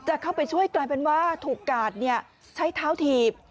เข้าไปช่วยกลายเป็นว่าถูกกาดใช้เท้าถีบ